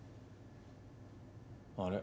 あれ？